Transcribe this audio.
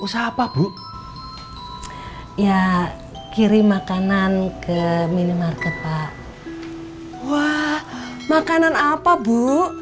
usaha apa bu ya kirim makanan ke minimarket pak wah makanan apa bu